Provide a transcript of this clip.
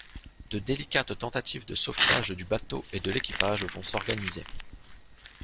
De délicates tentatives de sauvetage du bateau et de l'équipage vont s'organiser...